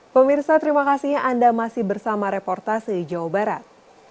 pemirsa terima kasih anda masih bersama reportase jawa barat